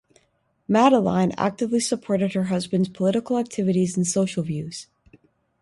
Madeleine actively supported her husband's political activities and social views.